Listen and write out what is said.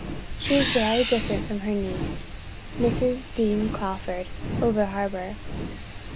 She is very different from her niece, Mrs. Dean Crawford over harbour.